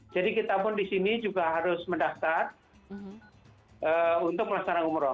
jadi kita pun di sini juga harus mendaftar untuk pelaksanaan umrah